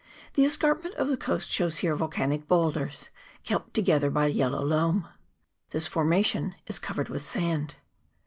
The escarpment of the coast shows here volcanic boulders, kept together by a yellow loam. This formation is covered with sand.